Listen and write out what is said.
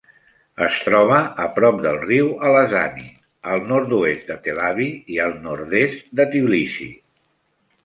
Es troba a prop del riu Alazani, al nord-oest de Telavi i al nord-est de Tbilissi.